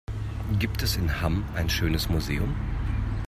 Gibt es in Hamm ein schönes Museum?